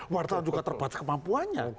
wartawan juga terbuat sekemampuannya